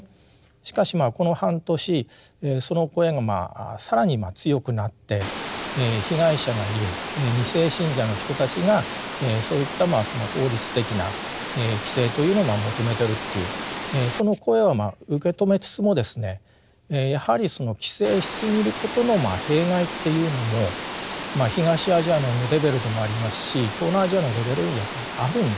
しかしまあこの半年その声が更に強くなって被害者がいる２世信者の人たちがそういった法律的な規制というのを求めてるというその声は受け止めつつもですねやはりその規制しすぎることの弊害っていうのも東アジアのレベルでもありますし東南アジアのレベルやっぱりあるんですよね。